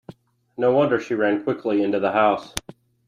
No wonder she ran quickly into the house.